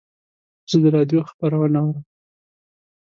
زه د رادیو خپرونه اورم.